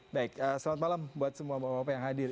baik selamat malam buat semua bapak bapak yang hadir